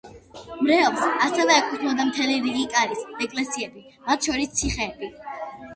მრევლს ასევე ეკუთვნოდა მთელი რიგი კარის ეკლესიები, მათ შორის ციხეებში.